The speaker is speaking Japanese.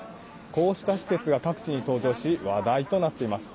こうした施設が各地に登場し話題となっています。